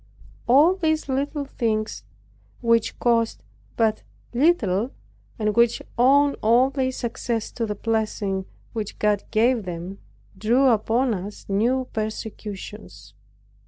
All these little things, which cost but little, and which owed all their success to the blessing which God gave them, drew upon us new persecutions.